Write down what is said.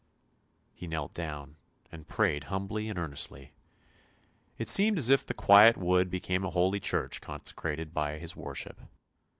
" He knelt down and prayed humbly and earnestly. It seemed as if the quiet wood became a holy church consecrated by his worship.